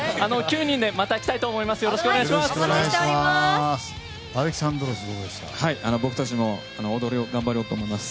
９人でまた来たいと思います。